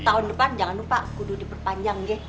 tahun depan jangan lupa kudu diperpanjang deh